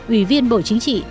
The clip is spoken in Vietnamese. ủy viên bộ chính trị